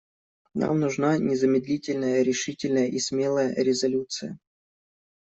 Нам нужна незамедлительная, решительная и смелая резолюция.